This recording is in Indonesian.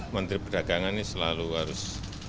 menteri perdagangan ini selalu harus